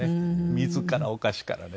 水からお菓子からね。